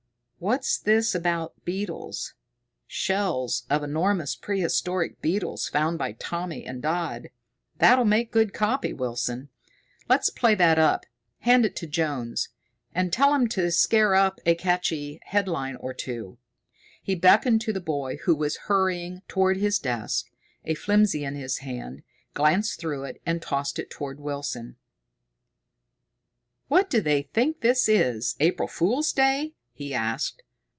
What's this about beetles? Shells of enormous prehistoric beetles found by Tommy and Dodd! That'll make good copy, Wilson. Let's play that up. Hand it to Jones, and tell him to scare up a catching headline or two." He beckoned to the boy who was hurrying toward his desk, a flimsy in his hand, glanced through it, and tossed it toward Wilson. "What do they think this is, April Fool's Day?" he asked.